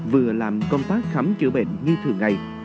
vừa làm công tác khám chữa bệnh như thường ngày